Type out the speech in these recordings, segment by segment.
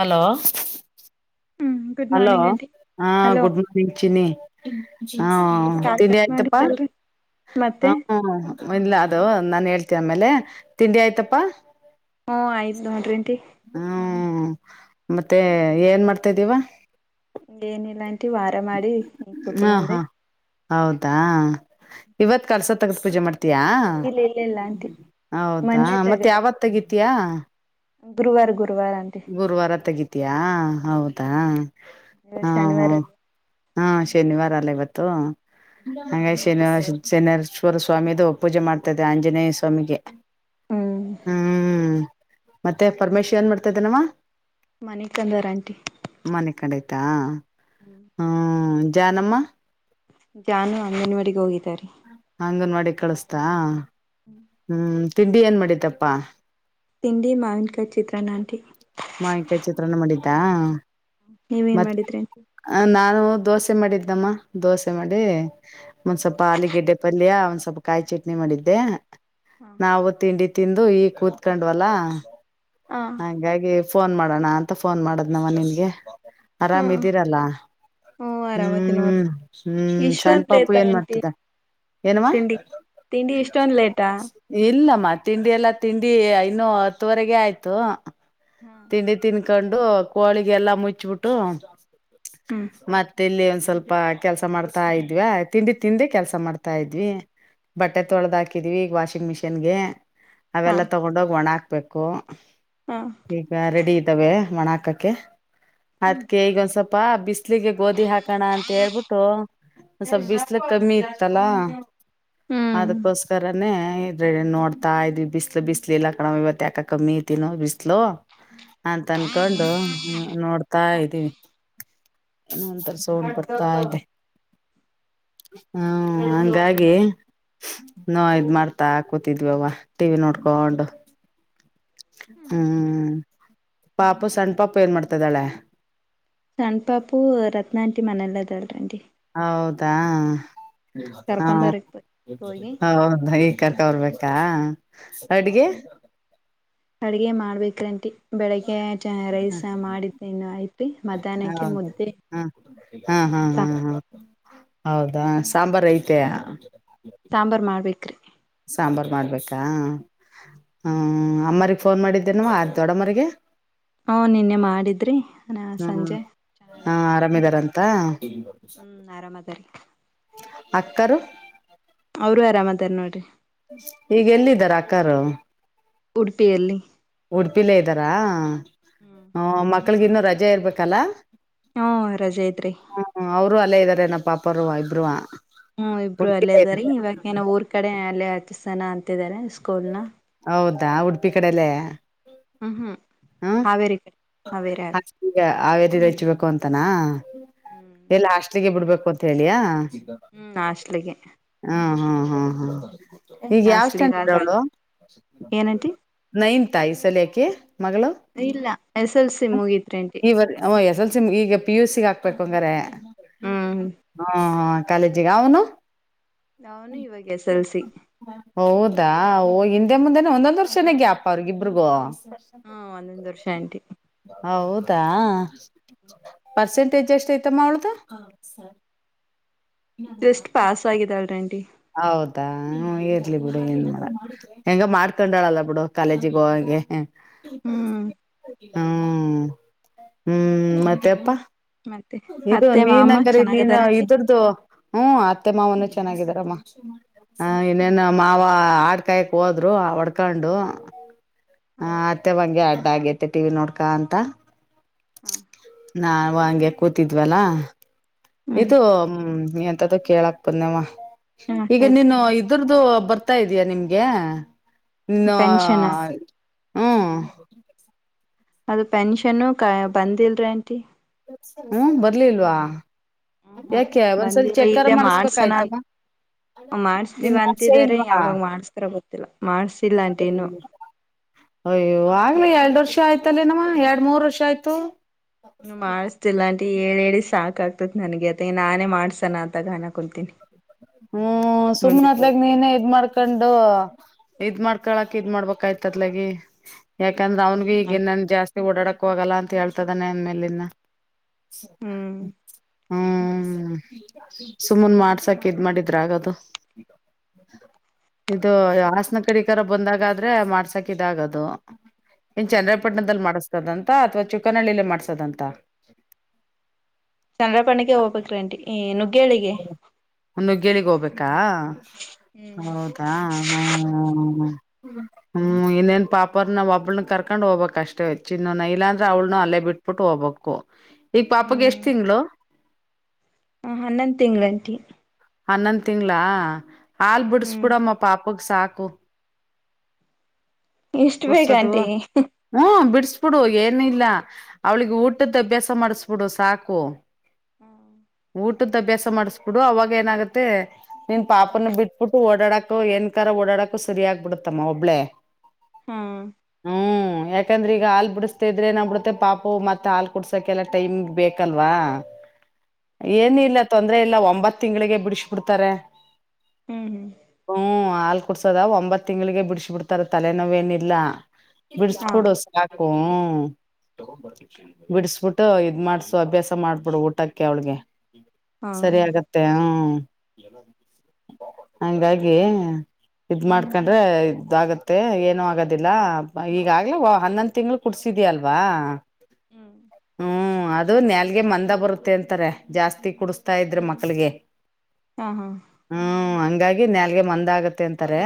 Hello hmm good hello morning aunty ಹಾ hello good morning ಚಿನಿ ಹಾ ಕಾಲ್ ತಿಂಡಿ ಕಟ್ ಆಯ್ತಪ್ಪಾ ಮಾಡಿತ್ತಲ್ರಿ ಮತ್ತೆ ಹ ಇಲ ಅದು ನಾನನ್ ಹೇಳ್ತಿ ಆಮೇಲೆ ತಿಂಡಿ ಹ್ಮ ಆಯ್ತಪ್ಪಾ ಹ್ಮ ಆಯ್ತು ನೋಡ್ರಿ ಆಂಟಿ ಹ್ಮ ಹ್ಮ್ ಮತ್ತೆ ಏನ್ ಮಾಡ್ ತದಿವಾ ಏನಿಲ್ಲ ಿ ವಾರ ಮಾಡಿ ಈ ಹ ಕುತ್ಕಂದೆ ಹಾ ಹೌದಾ ಇವತ್ ಕಳ್ಸ ತಗದ ಪೂಜೆ ಮಾಡ್ತ ತ್ಯ ಇಲ್ಲ ಇಲ್ಲ ಇಲ್ಲ ಆಂಟಿ ಹೌದಾ ಮೊನ್ನೆ ಮತ್ತೆ ಯಾವತ್ತಗಿತಯಾ ಗುರುವಾರಗ ಗು ಗುರುವಾರ ತೆಗಿತಯಾ ಹೌದು ಹಾ ಹಾ ಹಾ ಶನಿವಾರ ಹಾ ಶನಿವಾರ ಇವತ್ತು ಹನ ಶನೇಶ್ವರ ಸ್ವಾಮಿು ಪೂಜೆ ಮಾಡ್ತಾೆ ಆಂಜನೇಯ ಸ್ವಾಮಿಗೆ ಹ್ಮ್ ಹ್ಮ ಮತ್ತೆ ಪರಮೇಶ್ವರ್ ಏನ್ ಮಾಡ್ ದಿನವಾ ಮಣಿಕಂದರ್ ಆಂಟಿ ತಾ ಹ್ಮ ಜಾನಮ್ಮ ಜಾನು ಅಂಗನವಾಡಿ ಹೋಗಿ ಹಂಗನವಾಡಿ ಕಳಸ್ತಾ ಹ್ಮ್ ತಿಂಡಿ ಏನ್ ಮಾಡಿತಪ್ಪಾ ತಿಂಡಿ ಮಾವಿನಕ ಚಿತ್ರನ್ ಆಂಟಿ ದಾ ನೀವೇನ್ ಮತ ಮಾಡಿದ್ರಿ ಆಂಟಿ ನಾವು ದೋಸೆ ಮಾಡಿದ್ದಮ್ಮ ದೋಸೆ ಮಾಡಿ ಒಂದ್ ಸ್ವಲ್ಪ ಆಲ ಗಡ್ಡೆ ಪಲ್ಯ ಸ್ವಲ್ಪ ಕಾಯಿ ಚಟ್ನಿ ಮಾಡಿದ್ದೆ ಹಾ ನಾವು ತಿಂಡಿ ತಿಂದು ಈ ಕೂತ್ಕೊಂಡ್ವಲ್ಲಾ ಹಾ ಹಾಂಗಾಗಿ ಫೋನ್ ಮಾಡೋಣ ಅಂತ ಫೋನ್ ಮಾಡದ್ ನವ ನಿನ್ಗೆ ಹ್ಮ ಆರಾಮ್ದೀರಲ್ಲ ಆರಾಮದಿ ನೋಡ್ರಿ ಹ್ಮ್ ಹ್ಮ್ ಸಣ್ಣ ಇಷ್ಟೊಂದ್ ಪಾಪು ಲೇಟ ಏನ್ ಆಂಟಿ ಮಾಡ್ತದೆ ಏನ್ವಾ ತಿಂಡಿ ತಿಂಡಿ ಇಷ್ಟೊಂದ್ ಲೇಟಾ ಇಲ್ಲ ಮ ಇಲ್ಲ ತಿಂಡಿ ಎಲ್ಲಾ ತಿಂಡಿ ಇನ್ನು ಹತ್ತುವರೆಗೆ ಆಯ್ತು ತಿಂಡಿ ತಿನ್ ಇಕೊಂಡು ಕೋಳಿಗೆಲ್ಲಾ ಮುಚ್ಬಿಟ್ಟು ಹ್ಮ್ ಮತ್ತೆ ಲ ಸ್ವಲ್ಪ ಕೆಲ್ಸ ಮಾಡ್ತಾ ಇದ್ವಾ ತಿಂಡಿ ತಿಂದಿಕೆಲ್ಸ ಮಾಡ್ತಾ ಇದ್ವಿ ಬಟ್ಟೆ ತೊಳ್ದ ಹಾಕಿದೀವಿ ಈಗ ವಾಷ ವಾಷಿಂಗ್ ಮಿಷಿನ್ಗೆ ಹಾ ಅವೆಲ್ಲಾ ತಗೊಂಡೋಗ ಒಣಕ್ತ [unintelligible] ಕ್ಕೋ ಹಾ ರೆಡಿ ಇದ್ದಾವೆ ಒಣ ಹಾಕಕ್ಕೆ ಹ್ಮ್ ಅದಕೆ ಈಗ ಸ್ವಲ್ಪ- [unintelligible] ಪ್ಪಿಸ್ ಬಿಸಲಿಗೆ ಗೋಧಿ ಹಾಕೋಣ ಅಂತ ಹೇಳ್ಬಿಟ್ಟು ಒನ್ ಸ್ವಲ್ಪ್ ಹ್ಮ್ [unintelligible] ಬಿಸಲು ಕಮ್ಮಿ ಇ ತ್ತಲಾ ಅದಕ್ಕೋಸ್ಕರನೇ ಇದ ನೋಡ್ತಾ ಇದ್ವಿ ಬಿಸ್ಲು ಬಿಸ್ಲು ಇಲ್ಲ ಕಣೋ ಇವತ್ತು ಯಾಕೋ ಕಮ್ಮಿ ಐತೇನೋ [unintelligible] ಬಿಸ್ಲು ಅಂತ ಅನ್ಕೊಂಡು ಹು [unintelligible] ನೋಡ್ತಾ ಇದ್ದೀವಿ ಏನೋ ಒನ್ ತರ ಸೌಂಡ್ ಬರ್ತಾ ಇ್ದದೆ ಹ್ಮ ಹಂಗಾಗಿ ನಾ [unintelligible] ಇದ್ ಮಾಡ್ತಾಕ ತಿದ್ವವ್ವ [unintelligible] ಟಿವಿ ನೋಡ್ಕೊಂಡು ಹ್ಮ್ ಪಾಪ ಸಣ್ಣ ಪಾಪು ಏನ್ ಮಾಡ್ತಾದಾಳೆ ಸಣ್ಣ ಪಾಪು ರತ್ನಾ ಆಂಟಿ ಮನೆಯಲ್ಲ ಇದಳರಂಟಿ [unintelligible] ಹೌದಾ ಹಾ ಕರ್ಕೊಂಡ್ ಬರಕ್ ಹೋಗಿ ಹೌದ ಈಗ್ ಕರ್ಕ ಬರ್ಬೇಕು [unintelligible] ಅಡ್ಗೆ ಅಡಗೆ ಮಾಡ್ಬೇಕ್ರಂಟಿ ಬೆಳಿಗ್ಗೆ [unintelligible] ರೈಸ ಮಾಡಿದ್ದೇನು ಐತಿ ಮಧ್ಯಾಹ್ನಕ್ಕೆ ಹೌದು ಮುದ್ದೆ ಹ ಹಾ ಹಾ ಸಾ ಹಾ ಹಾ ಹೌದಾ ಸಾಂಬಾರ್ ಐತೆ ಸಾಂಬಾರ್ ಮಾಡ್ಬೇಕ್ರಿ ಸಾಂಬಾರ್ ಮಾಡ್ಬೇಕಾ ಹ್ಮ ಅಮ್ಮರ್ಗ ಫೋನ್ ಮಾಡಿದ್ದೇನವ [unintelligible] ದೊಡ್ಡಮ್ಮರಿಗೆ ಹ ನಿನ್ನೆ ಮಾಡಿದ್ರಿ ನ ಹ್ಮ್ ಸಂಜೆ ಹಾ ಚೆನ್ನಾಗದಾರಂತೆ ಆರಾಮಿದಾರಂತ ಹ್ಮ್ ಆರಾಮ್ ಅದಾರೀ ಅಕ್ಕರು ಅವರು ಆರಾಮದಾರ ನೋಡ್ರಿ ಈಗ ಎಲ್ಲಿದ್ [unintelligible] ದ್ದರಾ ಅಕ್ಕಾರು [unintelligible] ಉಡುಪಿ ಎಲ್ಲಿ ಉಡುಪಿಲೇ ಇದ್ದಾರಾ ಹ ಹ್ಮ ಮತ್ತ [unintelligible] ಮಕ್ಳಗ್ ಇನ್ನೂ ರಜೆ ಇರ್ಬೇಕಲ್ಲಾ ರಜೆ ಐತ್ರಿ ಹ್ಮ ಅವ್ರು ಅಲ್ಲೇ ಇರದ್ ಅಂದ್ರೆ ನಮ್ ಪಾಪರೊ ಇಬ್ರುವ. ಹ್ಮ್ ಇಬ್ರು ಅಲ್ಲೇ ಇದಾರಿ ಇವಕ್ ಏನ ಊರ್ ಕಡೆ ಅಲ್ಲೇ. ಸನಾ ಅಂತಿದ್ದಾರೆ ಸ್ಕೂಲ್ನ. ಹೌದಾ ಉಡ್ಪಿ ಕಡೆಲ್ಲೇ. ಹ್ಮ್ ಹು. ಹಾವೇರಿ ಬಿಟ್ ಹಾಗಿಗ ಹಾವೇರಿಗೆ ಹೆಚ್ಬೇಕು ಅಂತಾನ ಹ್ಮ್ ಎಲ್ಲ ಹಾಸ್ಟೆಲಿಗೆ ಬಿಡ್ಬೇಕು ಅಂತ ತೇಳಿಯ. ಹ್ಮ್ ಹಾಸ್ಟೆಲಿಗೆ. ಹ್ಮ ಹಾ ಹಾ. ಈಗ್ ಯಾವ್ ಸ್ಟ್ಯಾಂಡಡ್ ಆದ್ರ ಅವ್ಳು ಏನಂಟಿ ನೈನ್ಂತ ಈ ಸಲಿ ಆಕಿ. ಮಗಳು. ಇಲ್ಲ ಎಸ್ ಎಲ್ ಸಿ ಮುಗೀತ್ರಿ ಅಂಟಿ ಈವರ್ ಅಮ್ಮ ಎಸ್ ಎಲ್ ಸಿ ಮುಗ್ಯಾಗ್ ಗಿಗ್ ಈಗ ಪಿ ಯು ಸಿ ಹಾಕ್ಬೇಕು ಹಂಗಾರೆ. ಹ್ಮ್ ಹಾ ಹಾ. ಕಾಲೇಜಿಗ್ ಅವ್ನು. ನೌನು ಇವಾಗ್ ಎಸ್ ಎಲ್ಸಿ. ಹೌದಾ ಓ ಹಿಂದೆ ಮುಂದೆನೆ ಒಂದೊಂದ್ ವರ್ಷನೆ ಗ್ಯಪ ಅವ್ರಗಿಬ್ರಿಗೂ. ಹ್ಮ ಒಂದೊಂದ್ ವರ್ಷ ಆಂಟಿ ಹೌ ದಾ ಪರ್ಸೆಂಟೇಜ್ ಎಷ್ಟ್ ಐತಮ್ಮ ಅವ್ಳ್ದು. ಜಸ್ಟ್ ಪಾಸ್ ಆಗಿದಾಳ್ರಿ ಆನ್ ಹೌದಾ ಇರ್ಲಿ ಬಿಡು ಇನ್ ಮಾಡಣ ಹೆಂಗ ಮಾಡ್ಕೊಂಡಳಲ್ಲ ಬಿಡು ಕಾಲೇಜಿಗ್ ಹೋಗ ಹಾಗೆ. ಹ್ಮ್ ಹ್ಮ್. ಹ್ಮ್ ಹ್ಮ್ ಮತ್ತೆ ಅಪ್ಪ. ಮತ್ತೆ ಇದು ಅತ್ತೆ ಮಾಮ ನೀನಂಗರೆ ನೀನ್ ಚೆನ್ನಾಗದಾರಂಟಿ ಇದ್ರ್ದು ಹ್ಮ. ಅತ್ತೆ ಮಾವನು ಚೆನ್ನಾಗಿದಾರಮ್ಮ. [unintelligible] ಹಾ ಇನ್ನೆನ್ನ ಮಾವ ಆಟ್ ಕಾಯಕ್ ಹೋದ್ರು ಹೊಡ್ಕೊಂಡು. ಹಾ ಅತ್ತೆ ವಂಗೆ ಆಡ್ ದಾಗೆತೆ ಟಿ ವಿ ನೋಡ್ಕಾಂತ. ಹಾ ನಾವು ಹಂಗೆ ಕೂತಿದ್ವಲ್ಲ. ಹ್ಮ್ ಇದು ಹ್ಮ ನೀ ಎಂತದು ಕೇಳಕ್ ಬನ್ನವಾ ಹಾ ಈಗ ಹೇಳ್ರಿ ನೀನು ಇದ್ರು ಅದು ಬರ್ತಾ ಇದಯಾ ನಿಮ್ಗೆ ನೋ ಪೆನ್ಷನ್ ಹ್ಮ್ ಅದು ಪೆನ್ಷನ್ನು ಕ ಬಂದಿಲ್ರೀ ಆಂಟಿ ಹ್ಮ್ ಬರ್ಲಿಲ್ವಾ ಹ್ಮ್ ಹ್ಮ್ ಯಾಕೆ ಒಂದ್ಸಲ ಬಂದಿಲ್ಲ ಚೆಕ್ಕರ್ ಇಲ್ಲೇ ಮಾಡ್ಸೋಣ ಮಾಡಸ್ಬೇಕಾಯ್ತಮ್ಮ ಅನ್ ಮಾಡಸ್ತಿವ ನಿಮ್ ಆಸೆ ಅಂತಿದಾರೆ ಇಲ್ವಾ ಯಾವಾಗ ಮಾಡಸ್ತಾರ ಗೊತ್ತಿಲ್ಲ ಮಾಡ್ಸಿಲ್ಲಾಂಟಿ ಇನ್ನೂ ಎರಡು ವರ್ಷ ಆಯ್ತಲ್ಲೇವ ಎರಡ್ ಮೂರ್ ವರ್ಷ ಆಯ್ತು ಮಾಡಸ್ತಿಲ್ಲ ಅಂಟಿ ಏಳೆಳಿ ಸಾಕ್ ಆಗ್ತತ್ ನನಗೆ ಅತ್ತ ನಾನೇ ಮಾಡ್ಸಣ ಆತಗ ಅಣ ಕೊತೀನಿ ಹ್ಮ್ ಸುಮ್ನೆದ್ಲಗ್ ನೀನೇ ಇದ್ ಮಾಡ್ಕೊಂಡು ಇದ್ ಮಾಡ್ಕ ಕಳಕ ಇದ್ ಮಾಡ್ಬಬೇಕಾಯಿತ್ ಆತ್ಲಗಿ ಯಾಕಂದ್ರೆ ಅವನ್ಗ ಈಗ ಹ್ಮ್ ಇನ್ನ ಜಾಸ್ತಿ ಓಡಾಡಕ್ ಕಕ್ ಹೋಗಲ್ಲ ಅಂತ ಹೇಳ್ತದನೆ ಎ ಮೇಲನ್ನ ಹ್ಮ್ ಹ್ಮ ಹ್ಮ್ ಸುಮ್ಮನ್ ಮಾಡ್ಸ್ ಇದ್ ಮಾಡಿದ್ರ ಆಗದು ಇದು ಹಾಸನ ಕಡಿಕರ ಬಂದಾಗಾದ್ರೆ ಮಾಡ್ಸಾಕಿದಾಗದು ಏನ್ ಚೆನರಾಯ್ಪಟ್ಟಣದಲ್ಲಿ ಮಾಡಿಸ ದಂತ ಅಥವಾ ಚುಕ್ಕನಹಳ್ಳಿಲೆ ಮಾಡ್ಸದಂತ ಚನ್ರಾಯ್ಪಟ್ಣಕ್ಕೆ ಹೋಗ್ಬೇಕ್ರಿ ಆಂಟಿ ಎ ಏನು ಗೆಳಿಗೆ ಒನ್ನುಗೇಳಿಗೆ ಹೋಗ್ಬೇಕ್ ದಾ ಹ್ಮ್ ಹೌದಾ ಹ್ಮ್ ಹಮ್ ಹಮ್ ಹಮ್ ಹ್ಮ್ ಇನ್ನೇನ್ ಪಾಪರ್ನ ಒಬ್ಳನ ಕರ್ಕೊಂಡ್ ಹೋಗ್ಬೇಕ್ ಅಷ್ಟೇ ಚಿನ್ನುನ ಇಲಾಂದ್ರೆ ಅವಳನು ಅಲ್ಲೇ ಬಿಟ್ಬಿಟ್ಟು ಹೋಗ್ಬೇಕು. ಈ ಪಾಪುಗೆ ಎಷ್ಟ್ ಹ್ಮ್ ತಿಂಗಳು ಹ ಹನ್ನೊಂದು ತಿಂಗಳಂಟಿ ಹನ್ನೊಂದ್ ತಿಂಗಳಾ ಹಾಲ್ ಹ್ಮ್ ಬಿಡಸ್ಬಿಡಮ್ಮ ಪಾ ಪುಗ್ ಸಾಕು ಇಷ್ಟ್ ಬೇಗ್ ಆಂಟಿ ಬುಡು ಏನ್ ಇಲ್ಲ ಅವಳಿಗೆ ಊಟದ್ದ ಅಭ್ಯಾಸ ಮಾಡಿಸ ಬಿಡು ಸಾಕು ಹ್ಮ ಟ್ಟದ್ ಅಭ್ಯಾಸ ಮಾಡಿಸ್ಬಿಡು ಅವಾಗ ಏನಾಗುತ್ತೆ ನಿನ್ ಪಾಪನ ಬಿಟ್ಬಿಟ್ಟು ಓಡಾಡಕ್ ತುಏನ್ ಕರ ಓಡಾಡಕು ಸರಿ ಆಗ್ಬಿಡುತ್ತಮ್ಮ ಒಬ್ಳೇ ಹಾ ಯಾಕಂದ್ರೆ ಈಗ ಹಾಲ್ ಬಿಡಿಸ್ದ ಇದ್ರೆ ನಾ ಬಿಡುತ್ತೆ ಪಾಪು ಮತ್ತ್ ಹಾಲ್ ಕುಡ್ಸಕ್ಕೆಲ್ಲ ಟೈಮ್ ಬೇಕಲ್ವಾ ಏನಿಲ್ ಲ್ಲ ತೊಂದ್ರರೆ ಇಲ್ಲ ಒಂಬತ್ತು ತಿಂಗಳಿಗೆ ಬಿಡಿಸಿ ಬಿಡ್ತಾರೆ ಹ್ಮ್ ಹ್ಮ್ ಹ್ಮ್ ಹಾಲ್ ಕುಡ್ಸದ ಒಂಬತ್ ತಿಂಗಳಿಗೆ ಬಿಡಿಸಿ ಬಿಡ್ತಾರ ತಲೆನೋವೇನಿಲ್ಲಾ ಹಾ ಬಿಡ್ಸ್ಬಿಡು ಸಾಕ್ ಹೂ ಬಿಡಿಸಬಿಟ್ಟು ಇದ್ ಮಾಡ್ಸು ಅಭ್ಯಾಸ ಮಾಡ್ಬಿಡು ಊಟಕ್ಕೆ ಅವಳಿಗೆ ಹಾ ಸರಿ ಆಗತ್ತೆ ಹ್ಮ ಹಂಗಾಗಿ ಆಗಿ ಇದ್ ಮಾಡ್ಕೊಂಡ್ರೆ ಅ ಆಗತ್ತೆ ಏನು ಆಗೋದಿಲ್ಲ ಈಗಾಗ್ಲೇ ಹನ್ನೊಂದ್ ತಿಂಗ್ಗಳು ಕುಡ್ಸಿದ್ಯಾಲ್ವಾ ಹ್ಮ್ ಹ್ಮ್ ಅ ಅದು ನಾಲಿಗೆ ಮಂದ ಬರುತ್ತೆ ಅಂತಾರೆ ಜಾಸ್ತಿ ಕುಡು ತಾ ಇದ್ರೆ ಮಕ್ಳಿಗೆ ಹಾ ಹಾ ಹಾಗಾಗಿ ನಾಲಿಗೆ ಮಂದ ಆಗತ್ತೆ ಅಂತಾರೆ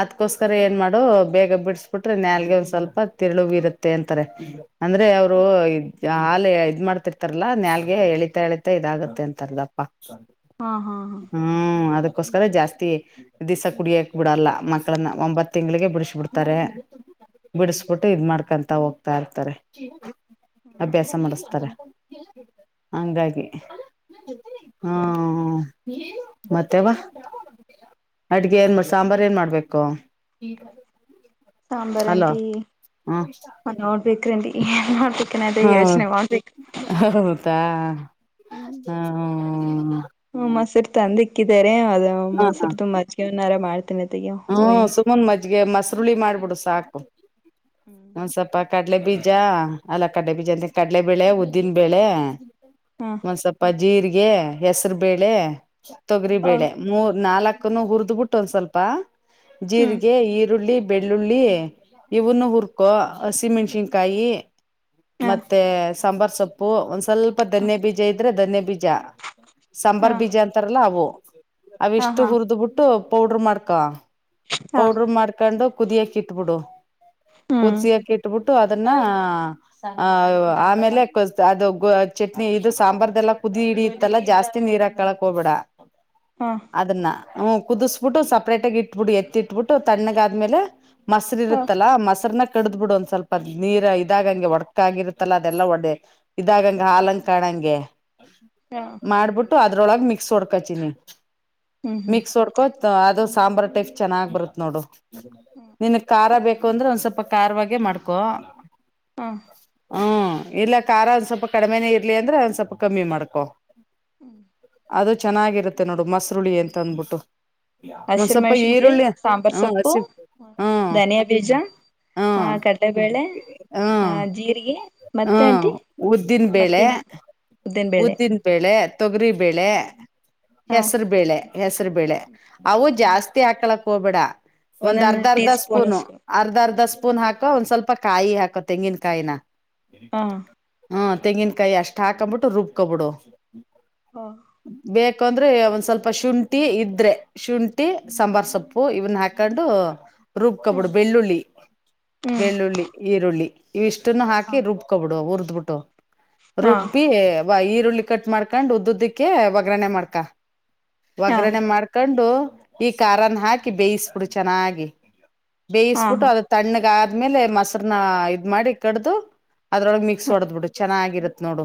ಅದ್ಕೋಸ್ಕರ ಏನ್ ಮಾಡು ಬೇಗ ಬಿಡಿಸಬಿಟ್ರೆ ನಾಲ್ಗೆ ಒಂದ್ ಸ್ವಲ್ಪ ತಿರುಳ ಇರುತ್ತೆ ಅಂತಾರೆ ಅಂದ್ರೆ ಅವರು ಹಾಲೆ ಇದ್ ಮಾಡ್ತಿರ್ತಾರಲ್ಲಾ ನಾಲ್ಗೆ ಎಳಿತಾ ಎಳಿತಾ ಇದಾಗುತ್ತೆ ಅಂತ ತರ್ಲಪ್ಪ ಹಾ ಹಾ ಹಾ ಹ್ಮ್ ಅದೇ ಕ್ಕೋಸ್ಕರ ಜಾಸ್ತಿ ದಿಸ ಕುಡಿಯಕ್ ಬಿಡಲ್ಲ ಮಕ್ಕಳನ್ನ ಒಂಬತ್ ತಿಂಗಳಿಗೆ ಬಿಡಿಸ್ ಬಿಡ್ತಾರೆ ಬಿಡಿಸಬಿಟ್ಟು ಇದ್ ಮಾಡ್ಕೊಂತ ಹೋಗ್ತಾ ಇರ್ತಾರೆ ಅಭ್ಯಾಸ ಮಾಡಸ್ತಾರೆ ಹಂಗಾಗಿ ಹಾ ಮತ್ತೆವಾ ಅಡುಗೆ ಏನ್ ಸಾಂಬಾರು ಏನ್ ಮಾಡ್ಬೇಕು ಹಲೋ ಸಾಂಬಾರಟಿ ಹ್ಮ ನೋಡ್ಬೇಕ್ರನ್ಡಿ ಏ ಮಾಡ ಹಾ ಹೌದಾ. ಹಾ ಹ್ಮ ಹಾ ಮೊಸರು ತಂದಿಕ್ಕಿದ್ದಾರೆ ಅದೇ ಹ ಮನ್ಸರ ಹ ತುಂಬ [unintelligible] ನರ ಮಾಡಿ ಹ್ಮ್ ಸುಮನ್ ಮಜ್ಗೆ ಮಸ್ತ್. ಸರುಳಿ ಮಾಡ್ಬಿಡು ಸಾಕು. ಹಾಂಸಪ್ಪಾ ಕಡಲೆ ಬೀಜ ಅಲ್ಲ ಕಡಲೆಬೀಜ ಅಂತ ಕಡಲೆಬೇಳೆ, ಉದ್ದಿನ ಬೇಳೆ ಹಾ ಒನ್ ಸ್ವಲ್ಪ ಬಾ ಇಲ್ಲಿ. ಜೀರಿಗೆ ಹೆಸ್ ಹೆಸರ ಬೇಳೆ, ತೊಗರಿ ಹ ಬೇಳೆ ಮೂರ್, ನಾಲ್ಕು ಅದನ್ ಹುರುದ್ ಬಿಟ್ಟ ಒಂದ್ ಸ್ವಲ್ಪ ಹ್ಮ್ ಜೀರಿಗೆ, ಈರುಳ್ಳಿ ಬೆಳ್ಳುಳ್ಳಿ ಇವನು ಹ್ಮ್ ಹುರ್ಕೊ. ಹಸಿ ಮೆಣಸಿನಕಾಯಿ. ಮತ್ತೆ ಹಾ ಎಸ್ ಸಾಂಬಾರ್ ಸೊಪ್ಪು ಒಂದ್ ಸ್ ಸ್ವಲ್ಪ ಧನ್ಯ ಬೀಜ ಅಂದ್ರೇ ಧನ್ಯ ಬೀಜ. ಬೀಜ ಸಾಂಬಾರ್ ಹಾ ಬೀಜ ಅಂತಾರಲ್ಲ ಅವು. ಹಾ ಆವಿಷ್ಟು ಹಾ ಹುರುದ್ ಬಿಟ್ಟು ಪೌಡರ್ ಮಾಡ್ಕಾ. ಹಾ ಪೌಡ್ರ ಮಾಡ್ಕೊಂಡು ಕುುದಿಯಕ್ ಇಟ್ಬುಡು. ಹ್ಮ್ ಕುದಿಸಿಯಾಕ್ ಇಟ್ ಬುಟ್ಟು ಮತ್ತು ಅದನ್ನ ಆ ಆಮೇಲೆ ಅದು ಬ ಅದ ಚಟ್ನಿ ಇದು ಸಾಂಬಾರ್ದಲ್ಲಾ ಕುದಿ ಇಡಿ ಇತ್ತಲ್ಲ ಜಾಸ್ತಿ ನೀರ ಹಾಕಳಕ್ ಹೋಗ್ಬೇಡಾ. ಹಾ ಅದನ್ನ ಹು ಕುದುಸ್ಬಿಟ್ಟು ಸಪ್ರೇಟ ಆಗಿ ಇಟ್ಟು. ಇಟ್ಬಿಡ್ ಎತ್ತಿ ಇಟ್ಬಿಟ್ಟು ತಣ್ಣಗ ಆದ್ಮೇಲೆ ಮೊಸರ್ ಹಾ ಇರುತ್ತಲ್ಲಾ ಮೊಸರ್ನ ಕಡದ್ ಬಿಡ್ ಒಂದ್ ಸ್ವಲ್ಪ ನೀರ ಇದಾಗಂಗೆ ಒಡ್ಕ ಆಗಿರತ್ತಲ್ಲ ಅದೆಲ್ಲ ಒಡೆ ಇದಾಗಂಗಗೆ ಹಾಲಂ ಕಾಣಂಗೆ ಹಾ ಮಾಡ್ಬಿಟ್ಟು ಅ ಅದ್ರೊಳಗೆ ಮಿಕ್ಸ್ ಹೊಂಡಕ್ಕಚಿನ್ನಿ ಹ್ಮ್ ಹ್ಮ್ ಮಿಕ್ಸ್ ಹೊಡ್ಕೋ ಅದು ಸಾಮಂಬ್ರ ಎ ಚೆನ್ನಾಗ್ ಬರುತ್ತತ್ ನೋಡು ನಿನ್ ಖಾರ ಬೇಕ ಕುಂದ್ರೆ ಒಂದ್ ಸ್ವಲ್ಪ ಕಾರಾರ್ವಾಗೆ ಮಾಡ್ಕೊ ಹಾ ಹ್ಮ ಇಲ್ಲ ಖಾರ ಒಂದ್ ಸ್ವಲ್ಪ ಕಡಿಮೆನೇ ಇರ್ಲಿ ಅಂದ್ರೆ ಒಂದ್ ಸ್ವಲ್ಪ ಕಮ್ಮಿ ಮಾಡ್ಕೊ ಅದ್ ಚೆನ್ನಾಗಿರುತ್ತೆ ನೋಡು ಮಸರುಳಿ ಅಂತ ಅಂದ್ಬಿಟ್ಟು ಯ ಮಸ ಮೆಣ್ಸಿನ್ಕಾಯಿ ಸಾಂಬಾರ್ ಸೊಪ್ಪು ಹ್ಮ್ ಧನಿಯಾ ಬೀಜ ಆ ಹ್ಮ್ ಕಡಲೆಬೇಳೆ ಹ್ಮ್ ಆ ಜೀರಿಗೆ ಮತ್ತೆ ಹ್ಮ್ ಆಂಟಿ ಉದ್ದಿನ ಬೇಳೆ ಮತ್ತೇನ ಉದ್ದಿನಬೇಳೆ ತೊಗರಿಬೇಳೆ ಹಾ ಹೆಸರು ಬೇಳೆ ಹೆಸರು ಬೇಳೆ ಅವು ಹ್ಮ್ ಹ್ಮ್ ಜಾಸ್ತಿ ಕೋಬೆಡ ಒಂದ್ ಒಂದೊಂದು ಅರ್ಧ ಟೀ ಅರ್ಧ ಸ್ಪೂನ್ ಸ್ಪೂನು ಅಷ್ಟು ಅರ್ಧ ಅರ್ಧ ಸ್ಪೂ ಪೂನ್ ಹಾಕೊ ಒಂದ್ ಸ್ವಲ್ಪ ಕಾಯಿ ಹಾಕೋ ತೆಂಗಿನಕಾಯಿನ ಹಾ ಹ್ಮ ತೆಂಗಿನಕಾಯಿ ಅಷ್ಟು ಹಾಕೊಂಬಿಟ್ಟು ರುಬ್ಕೊಬಿಡು ಹ್ಮ ಬ ಅಂದ್ರೆ ಒಂದ್ ಸ್ವಲ್ಪ ಶುಂಠಿ ಇದ್ರೆ ಶುಂಠಿ ಸಾಂಬಾರ್ ಸೊಪ್ಪು ಇವನ್ನ ಹಾಕೊಂಡು ರುಬ್ಕಬುಡು ಬೆಳ್ಳುಳ್ಳಿ ಹ್ಮ್ ಬೆಳ್ಳುಳ್ಳಿ ಈರುಳ್ಳಿ ಇಸ್ಟುನ್ನು ಹಾ ಹಾಕಿ ದುಬ್ಕೋಬಿಡು ಅವ್ರು ಬುಟ್ಟೋ ಹಾ ರುಬ್ಬಿ ವೈ ಈರುಳ್ಳಿ ಕಟ್ ಮಾಡ್ಕೊಂಡ್ ಉದ್ದದಕ್ಕೆ ಒಗ್ಗರಣೆ ಮಾಡ್ಕಾ ಹಾ ಒಗ್ಗರಣೆ ಮಾಡ್ಕೊಂಡು ಈ ಖಾರನ್ನ ಹಾಕಿ ಬೇಯಿಸಬಿಡು ಚೆನ್ನಾಗಿ ಬೇಯಿಸ್ಬಿಟ್ಟು ಹಾ ಅದ ತಣ್ಣಗ ಅಮೇಲೆ ಮೊಸ್ರನ ಇದ್ ಮಾಡಿ ಕಡ್ದು. ಅದ್ರೊಳ್ಗ್ ಮಿಕ್ಸಿ ಹೊಡ್ದ್ಬುಡು ಚೆನ್ನಾಗ್ ನೋಡು.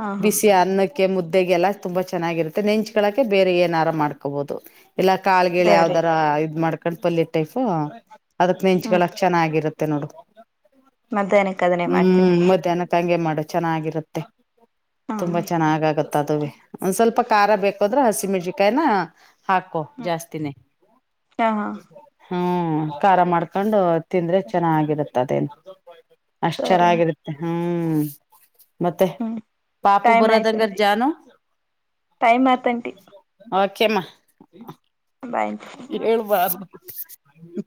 ಹಾ ಹಾ ಬಿಸಿ ಅನ್ನಕ್ ಕೆ ಮುದ್ದೆಗೆಲ್ಲಾ ತುಂಬಾ ಚೆನ್ನಾಗಿರುತ್ತೆ ನೆಂಚ್ಕಳಕೆ ಬೇರೆ ಏನ ಆರ ಮಾಡ್ಕೋಬೊದು. ಇಲ್ಲ ಕಾಳ್ಗಿಳ್ ಸರಿ ಯಾವ್ದರ ಇದ್ ಮಾಡ್ ಕಣ್ಪಲ್ಯದ್ ಟೈಪು. ಅದಕ್ ಹ್ಮ್ ನೆಂಚ್ಕಳಕ್ ಚೆನ್ನಾಗಿರು ತ್ತೆ ನೋಡು. ಮಧ್ಯಾಹ್ನಕ್ಕೆ ಅದನ್ನೇ ಮಾಡ್ತೀನಿ ಹ್ಮ್ ಮಧ್ಯಾಹ್ನಕ್ ಹಂಗೆ ಮಾಡು ಚೆನ್ನಾಗಿರುತ್ತೆ. ಹಾ ತುಂಬಾ ಹ್ಮ್ ಚೆನ್ನಾಗಗದ್ ತದುವೆ ಒಂದ್ ಸ್ವಲ್ಪ ಖಾರ ಬೇಕದ್ರೆ ಹಸಿ ಮೆಣ್ಷಿನ್ಕಾಯ್ನ ಹಾಕ್ ಜಾಸ್ತಿನೇ. ಹಾ ಹಾ ಹ್ಮ್ ಖಾರ ಮಾಡ್ಕೊಂಡು ತಿಂದ್ರೆ ಚೆನ್ನಾಗಿರುತ್ತದೇನು. ಅಷ್ಟ್ ಸರಿ ಚೆನ್ನಾಗಿರುತ್ತೆ ಹ್ಮ ಹ್ಮ್ ಮತ್ತೆ ಹ್ಮ್ ಪಾಪು ಟೈಮ್ ಬರೋದಂಗರ್ ಆಯ್ತಂಟಿ ಜಾನು ಟೈಮ್ ಆತಂಟಿ ಕೆಮ ಬಾಯ್ ಆಂಟಿ ಹೇಳ್ ಬಾರ್ದ್ [inaudible]